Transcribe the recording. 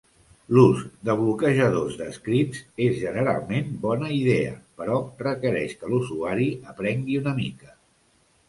L'ús de bloquejadors de scripts és generalment bona idea, però requereix que l'usuari aprengui una mica.